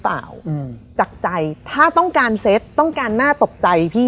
อ่าก็ต้องนู่นต้องนี่